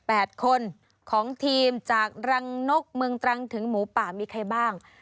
แปดคนของทีมจากรังนกเมืองตรังถึงหมูป่ามีใครบ้าง